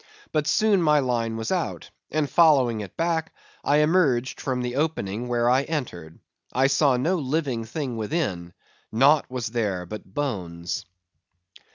But soon my line was out; and following it back, I emerged from the opening where I entered. I saw no living thing within; naught was there but bones.